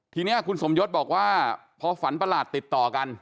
ทีนี้คุณสมยศบอกว่าพอฝันประหลาดติดต่อกัน